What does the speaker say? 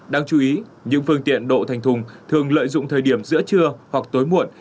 đáng chú ý những phương tiện đổ thành thùng thường lợi dụng thời điểm giữa trưa hoặc tối muộn